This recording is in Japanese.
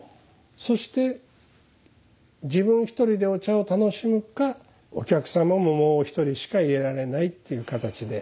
そして自分１人でお茶を楽しむかお客様ももう１人しか入れられないっていう形で。